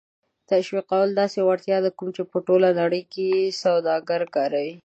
تشویقول داسې وړتیا ده کوم چې په ټوله نړۍ کې سوداګر کاروي.